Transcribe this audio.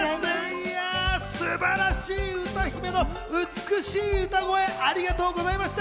素晴らしい歌姫の美しい歌声、ありがとうございました。